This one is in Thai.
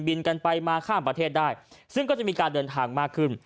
กันไปมาข้ามประเทศได้ซึ่งก็จะมีการเดินทางมากขึ้น